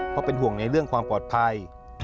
เพราะเหลวงในเรื่องปลอดภัย